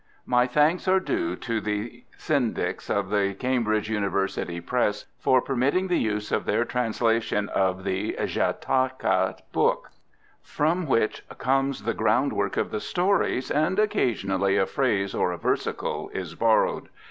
My thanks are due to the Syndics of the Cambridge University Press for permitting the use of their translation of the Jataka Book; from which comes the groundwork of the stories, and occasionally a phrase or a versicle is borrowed.